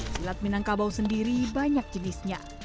silat minangkabau sendiri banyak jenisnya